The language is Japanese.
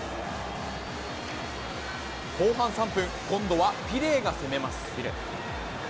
後半３分、今度はピレーが攻めます。